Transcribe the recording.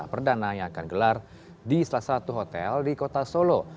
perdana yang akan gelar di salah satu hotel di kota solo